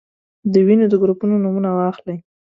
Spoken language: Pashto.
د وینې د ګروپونو نومونه واخلئ.